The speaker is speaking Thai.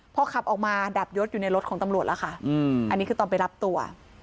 พอขับออกมาดับยศอยู่ในรถของตำรวจแล้วค่ะอันนี้คือตอนไปรับตัว